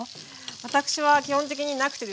私は基本的になくてですね。